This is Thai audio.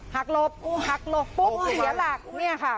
หักหลบหักหลบปุ๊บเหลือหลักเนี้ยค่ะ